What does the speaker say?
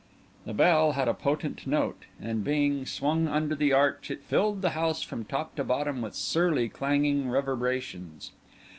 The bell had a potent note; and being swung under the arch it filled the house from top to bottom with surly, clanging reverberations.